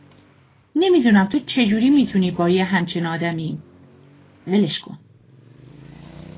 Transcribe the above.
نمی دونم تو چه جوری می تونی با یه همچین آدمی، ولش کن